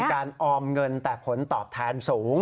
การออมเงินแต่ผลตอบแทนสูง